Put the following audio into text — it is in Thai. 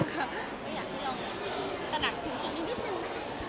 อยากให้ลองกระดักถึงจุดนี้นิดนึง